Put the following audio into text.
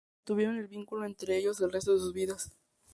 Mantuvieron el vínculo entre ellos el resto de sus vidas.